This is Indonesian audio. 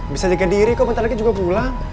bisa jaga diri kok bentar lagi juga pulang